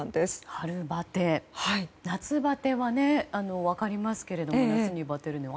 春バテ夏バテは分かりますけど夏にバテるのは。